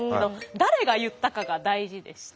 誰が言ったかが大事でして。